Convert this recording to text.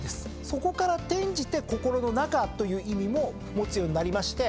そこから転じて心の中という意味も持つようになりまして